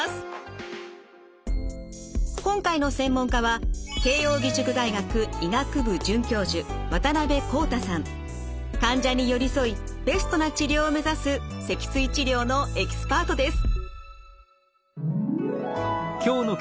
今回の専門家は患者に寄り添いベストな治療を目指す脊椎治療のエキスパートです。